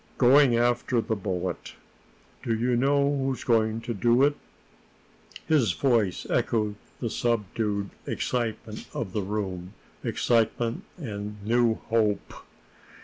"Going after the bullet. Do you know who's going to do it?" His voice echoed the subdued excitement of the room excitement and new hope.